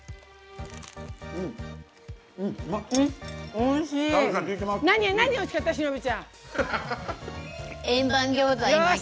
おいしい。